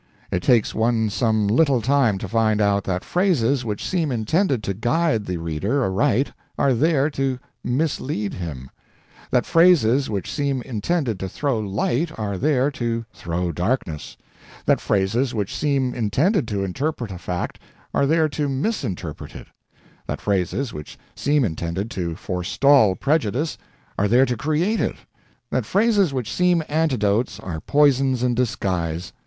It takes one some little time to find out that phrases which seem intended to guide the reader aright are there to mislead him; that phrases which seem intended to throw light are there to throw darkness; that phrases which seem intended to interpret a fact are there to misinterpret it; that phrases which seem intended to forestall prejudice are there to create it; that phrases which seem antidotes are poisons in disguise.